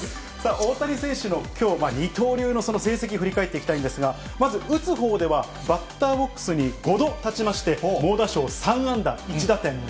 大谷選手のきょう、二刀流の成績振り返っていきたいんですが、まず打つほうではバッターボックスに５度立ちまして、猛打賞３安打１打点。